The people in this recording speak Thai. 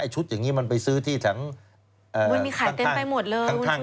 ชุดอย่างนี้มันไปซื้อทั้งค่อนข้าง